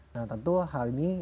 nah tentu hal ini